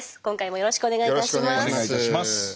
今回もよろしくお願いいたします。